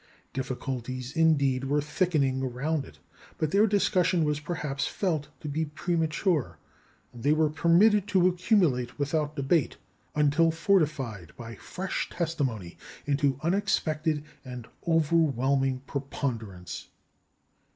Difficulties, indeed, were thickening around it; but their discussion was perhaps felt to be premature, and they were permitted to accumulate without debate, until fortified by fresh testimony into unexpected and overwhelming preponderance.